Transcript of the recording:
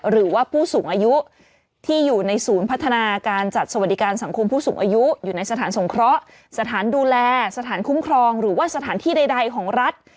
หรือว่าผู้สูงอายุที่อยู่ในศูนย์พัฒนาการจัดสวัสดิการสังคมผู้สูงอายุอยู่ในสถานสงเคราะห์สถานดูแลสถานคุ้มครองหรือว่าสถานที่ใดของรัฐ